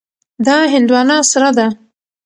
دا هندوانه سره ده.